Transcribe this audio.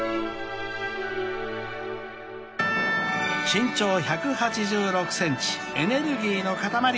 ［身長１８６ｃｍエネルギーの塊］